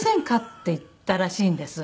って言ったらしいんです。